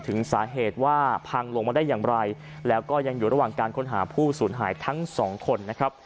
ถึงสาเหตุว่าพังลงมาได้อย่างไรแล้วก็ยังอยู่ระหว่างการค้นหาผู้สูญหายทั้งสองคนนะครับ